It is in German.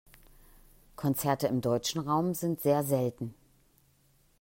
Konzerte im deutschen Raum sind sehr selten.